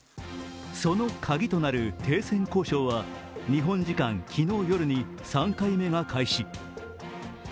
そのカギとなる停戦交渉は日本時間昨日夜に３回目が開始。